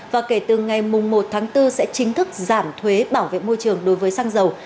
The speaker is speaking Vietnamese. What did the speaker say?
và kể từ ngày một tháng bốn sẽ chính thức giảm thuế bảo vệ môi trường đối với xăng dầu